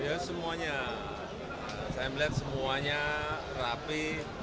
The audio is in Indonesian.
ya semuanya saya melihat semuanya rapi